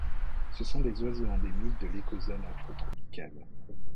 Ce sont oiseaux endémiques de l'écozone afrotropicale.